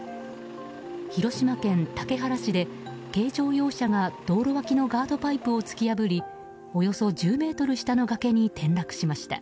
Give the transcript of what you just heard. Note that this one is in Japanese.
広島県竹原市で軽乗用車が道路脇のガードパイプを突き破りおよそ１０ｍ下の崖に転落しました。